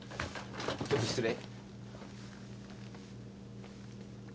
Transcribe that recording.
ちょっと失礼。